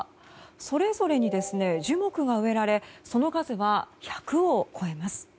それぞれに樹木が植えられその数は１００を超えます。